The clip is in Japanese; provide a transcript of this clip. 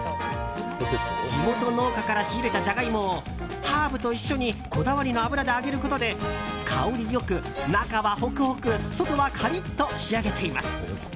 地元農家から仕入れたジャガイモをハーブと一緒にこだわりの油で揚げることで香り良く、中はホクホク外はカリッと仕上げています。